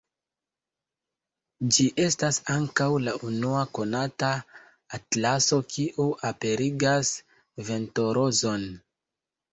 Ĝi estas ankaŭ la unua konata atlaso kiu aperigas ventorozon.